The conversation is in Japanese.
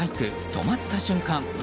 止まった瞬間。